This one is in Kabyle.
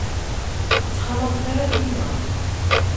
Ur ttxalaḍet ara tinna.